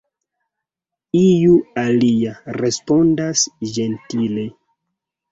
Iu alia, respondas ĝentile.